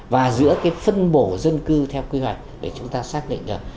và giữa cái phân bổ dân cư theo quy hoạch để chúng ta xác định được